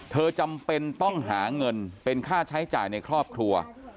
จำเป็นต้องหาเงินเป็นค่าใช้จ่ายในครอบครัว